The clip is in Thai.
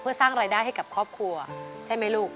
เพื่อสร้างรายได้ให้กับครอบครัวใช่ไหมลูก